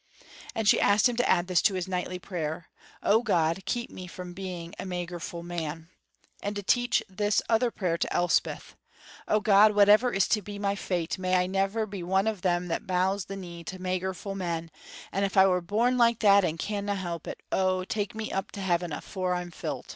And she asked him to add this to his nightly prayer: "O God, keep me from being a magerful man!" and to teach this other prayer to Elspeth, "O God, whatever is to be my fate, may I never be one of them that bow the knee to magerful men, and if I was born like that and canna help it, oh, take me up to heaven afore I'm fil't."